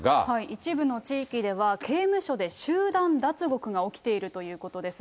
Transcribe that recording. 一部の地域では、刑務所で集団脱獄が起きているということです。